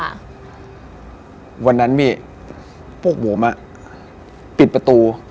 บ่อกความคุ้มของพี่ก็ปิดประตู